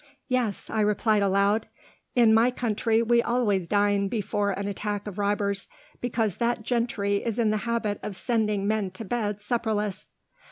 "Yes," I replied aloud, "in my country we always dine before an attack of robbers, because that gentry is in the habit of sending men to bed supperless."